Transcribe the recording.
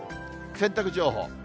洗濯情報。